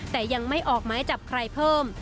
แต่ยังไม่ออกไม้จับใครเพิ่ม